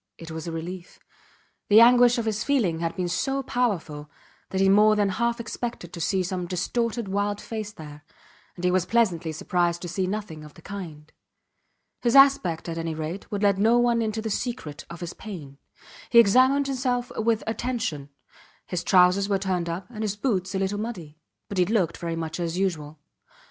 It was a relief. The anguish of his feeling had been so powerful that he more than half expected to see some distorted wild face there, and he was pleasantly surprised to see nothing of the kind. His aspect, at any rate, would let no one into the secret of his pain. He examined himself with attention. His trousers were turned up, and his boots a little muddy, but he looked very much as usual.